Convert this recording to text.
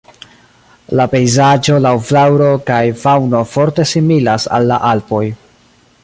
La pejzaĝo laŭ flaŭro kaj faŭno forte similas al la Alpoj.